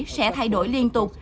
sẽ thay đổi liên tục